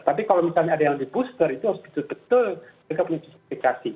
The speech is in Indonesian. tapi kalau misalnya ada yang dibooster itu harus betul betul mereka punya justifikasi